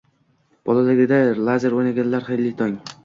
Bolaligida Lazer o'ynaganlar, xayrli tong!